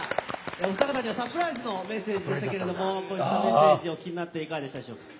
お二方にはサプライズのメッセージでしたが光一さん、メッセージをお聞きになっていかがでしたか？